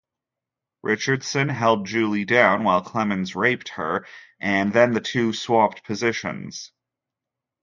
Richardson held Julie down while Clemons raped her and then the two swapped positions.